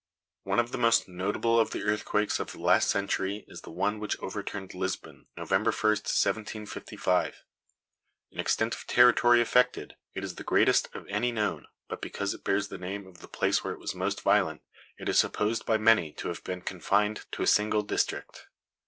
One of the most notable of the earthquakes of the last century is the one which overturned Lisbon, November 1, 1755. In extent of territory affected, it is the greatest of any known; but because it bears the name of the place where it was most violent, it is supposed by many to have been confined to a single district.